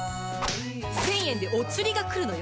１０００円でお釣りがくるのよ！